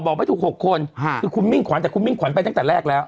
ไม่ถูก๖คนคือคุณมิ่งขวัญแต่คุณมิ่งขวัญไปตั้งแต่แรกแล้ว